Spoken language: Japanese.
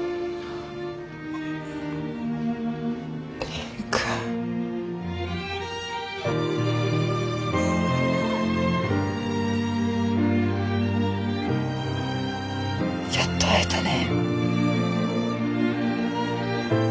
蓮くん。やっと会えたね。